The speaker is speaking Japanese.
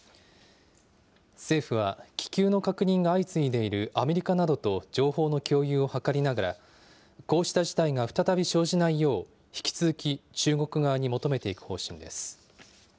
政府は気球の確認が相次いでいるアメリカなどと情報の共有を図りながら、こうした事態が再び生じないよう、引き続き中国側に求めていく方針です。